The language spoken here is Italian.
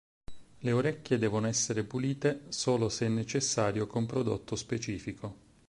Le orecchie devono essere pulite solo se necessario con prodotto specifico.